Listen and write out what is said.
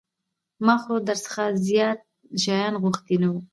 ما خو در څخه زيات شيان غوښتي نه وو.